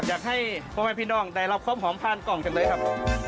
อยากให้พ่อแม่พี่น้องได้รับความหอมผ่านกล่องจังเลยครับ